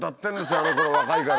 あのころ若いから。